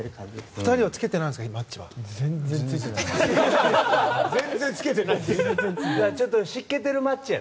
２人はつけてないですかマッチは？